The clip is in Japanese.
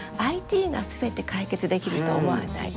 ＩＴが全て解決できると思わない。